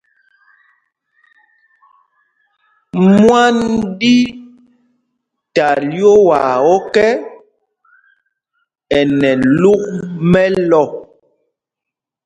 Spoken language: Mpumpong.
Mwân ɗi ta lyoowaa ɔkɛ́, ɛ nɛ luk mɛlɔ̂.